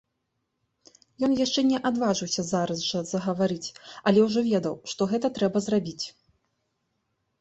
Ён яшчэ не адважыўся зараз жа загаварыць, але ўжо ведаў, што гэта трэба зрабіць.